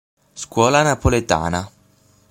Scuola napoletana